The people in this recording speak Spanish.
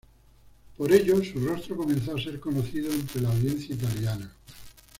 Por ello, su rostro comenzó a ser conocido entre la audiencia italiana.